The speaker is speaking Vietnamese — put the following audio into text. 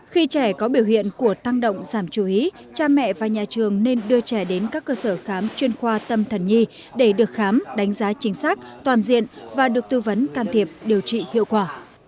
khi trẻ có biểu hiện của tăng động giảm chú ý cha mẹ và nhà trường nên đưa trẻ đến các cơ sở khám chuyên khoa tâm thần nhi để được khám đánh giá chính xác toàn diện và được tư vấn can thiệp điều trị hiệu quả